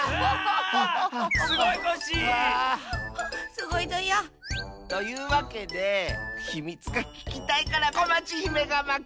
すごいぞよ。というわけでひみつがききたいからこまちひめがまけ。